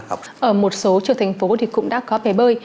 ở một số chợ thành phố thì cũng đã có bể bơi